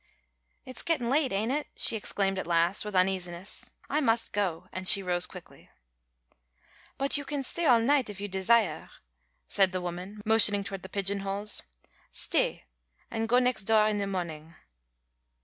"It's getting late, ain't it?" she exclaimed at last, with uneasiness. "I must go," and she rose quickly. "But you can stay all night if you desiah," said the woman, motioning toward the pigeon holes. "Stay, and go nex' doah in the morning."